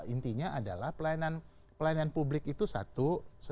intinya adalah pelayanan publik itu satu